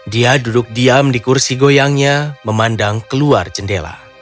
dia duduk diam di kursi goyangnya memandang keluar jendela